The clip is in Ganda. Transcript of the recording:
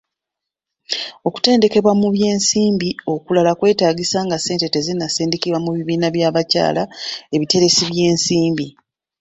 Okutendekebwa mu by'ensimbi okulala kwetaagisa nga ssente tezinnasindikibwa mu bibiina by'abakyala ebiteresi by'ensimbi.